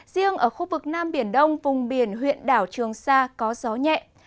riêng ở khu vực nam biển đông vùng biển huyện đảo trường sa có gió nhẹ